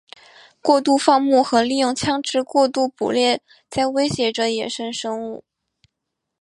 过度放牧和利用枪枝过度捕猎在威胁着野生生物。